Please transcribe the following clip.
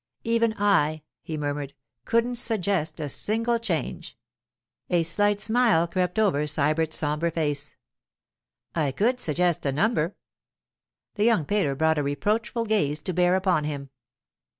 'Even I,' he murmured, 'couldn't suggest a single change.' A slight smile crept over Sybert's sombre face. 'I could suggest a number.' The young painter brought a reproachful gaze to bear upon him.